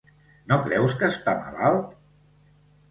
No creus que està malalt?